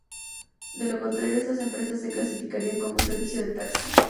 De lo contrario, estas empresas se clasificarían como un 'servicio de taxi'.